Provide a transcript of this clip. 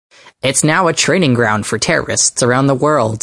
It's now a training ground for terrorists from around the world.